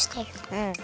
うん。